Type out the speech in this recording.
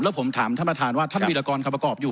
แล้วผมถามท่านประธานว่าท่านวิรากรคำประกอบอยู่